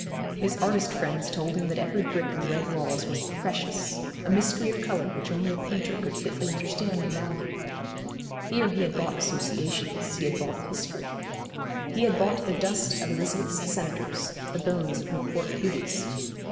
His artist friends told him that every brick in the red walls was 'precious,' a mystery of colour which only a painter could fitly understand and value. Here he had bought associations, he had bought history. He had bought the dust of Elizabeth's senators, the bones of her court beauties.